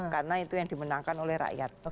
karena itu yang dimenangkan oleh rakyat